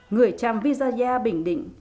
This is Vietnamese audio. người chăm visaya bình định